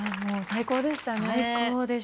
最高でしたね。